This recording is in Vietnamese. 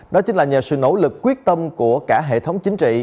đó chính là nhờ sự nỗ lực quyết tâm của cả hệ thống chính trị